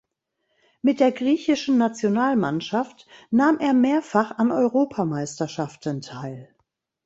Mit der griechischen Nationalmannschaft nahm er mehrfach an Europameisterschaften teil.